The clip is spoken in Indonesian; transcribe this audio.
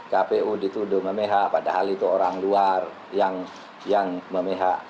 kpu dituduh memeha padahal itu orang luar yang memehak